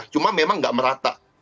cuma memang nggak merata